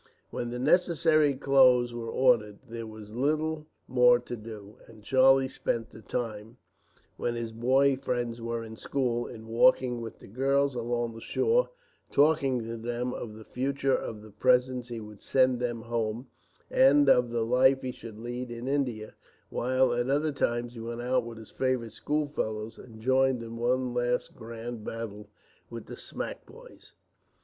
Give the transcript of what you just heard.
When the necessary clothes were ordered, there was little more to do; and Charlie spent the time, when his boy friends were in school, in walking with the girls along the shore, talking to them of the future, of the presents he would send them home, and of the life he should lead in India; while at other times he went out with his favourite schoolfellows, and joined in one last grand battle with the smack boys.